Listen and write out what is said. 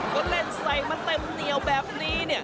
ก็เล่นใส่มันเต็มเหนียวแบบนี้